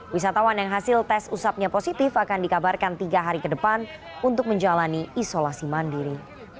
wisatawan yang hasil tes usapnya positif akan dikabarkan tiga hari ke depan untuk menjalani isolasi mandiri